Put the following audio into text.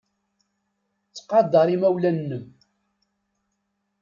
Ttqadar imawlan-nnem.